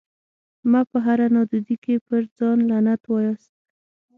مه په هره نادودي کي پر ځان لعنت واياست